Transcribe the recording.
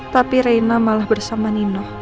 tapi reina malah bersama nino